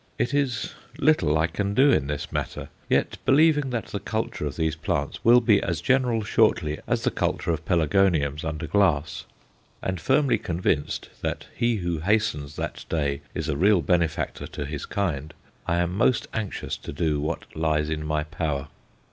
It is little I can do in this matter; yet, believing that the culture of these plants will be as general shortly as the culture of pelargoniums under glass and firmly convinced that he who hastens that day is a real benefactor to his kind I am most anxious to do what lies in my power.